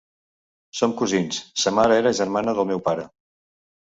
Som cosins: sa mare era germana del meu pare.